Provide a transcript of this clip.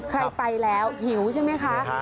ใครไปแล้วหิวใช่ไหมคะ